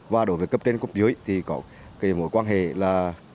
và đối với cấp trên cấp dưới thì có cái mối quan hệ là